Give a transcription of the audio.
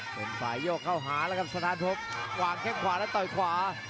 เป็นฝ่ายโยกเข้าหาแล้วครับสถานทบกวางแข้งขวาแล้วต่อยขวา